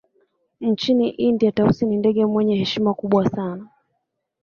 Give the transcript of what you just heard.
Nchini India Tausi ni ndege mwenye heshima kubwa sana